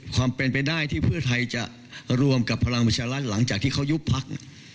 ความเป็นไปได้ที่เพื่อไทยจะรวมกับพลังประชารัฐหลังจากที่เขายุบพัก